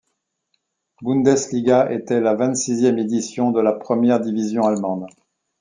Bundesliga était la vingt-sixième édition de la première division allemande.